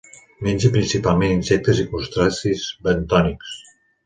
Menja principalment insectes i crustacis bentònics.